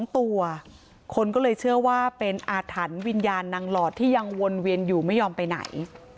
๒ตัวคนก็เลยเชื่อว่าเป็นอาถรรพ์วิญญาณนางหลอดที่ยังวนเวียนอยู่ไม่ยอมไปไหน